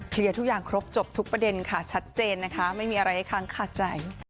ทุกอย่างครบจบทุกประเด็นค่ะชัดเจนนะคะไม่มีอะไรให้ค้างคาใจ